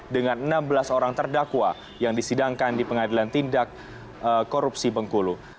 dengan enam belas orang terdakwa yang disidangkan di pengadilan tindak korupsi bengkulu